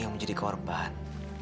yang menjadi korban